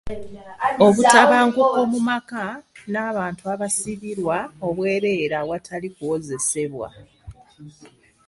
Obutabanguko mu maka, n'abantu abasibirwa obwereere awatali kuwozesebwa.